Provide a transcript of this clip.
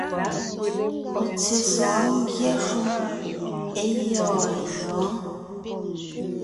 Ɔ̀ tsyé sɔ̌ɔn ngyɛ́ shúm é gyɔ̂ɔn gyɔ̌ɔn.